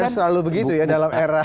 itu kan selalu begitu ya dalam era